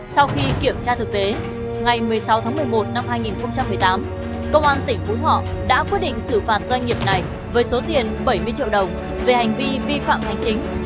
sau khi kiểm tra thực tế ngày một mươi sáu tháng một mươi một năm hai nghìn một mươi tám công an tỉnh phú thọ đã quyết định xử phạt doanh nghiệp này với số tiền bảy mươi triệu đồng về hành vi vi phạm hành chính